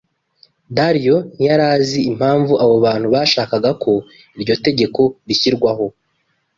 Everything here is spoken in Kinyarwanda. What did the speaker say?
Dariyo ntiyari azi impamvu abo bantu bashakaga ko iryo tegeko rishyirwaho